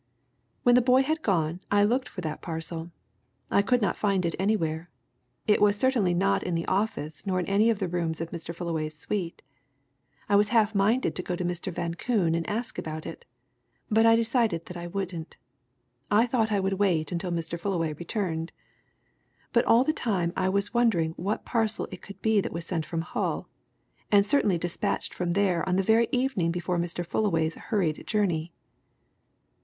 "When the boy had gone I looked for that parcel. I could not find it anywhere. It was certainly not in the office, nor in any of the rooms of Mr. Fullaway's suite. I was half minded to go to Mr. Van Koon and ask about it, but I decided that I wouldn't; I thought I would wait until Mr. Fullaway returned. But all the time I was wondering what parcel it could be that was sent from Hull, and certainly dispatched from there on the very evening before Mr. Fullaway's hurried journey.